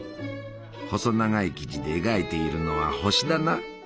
細長い生地で描いているのは星だな。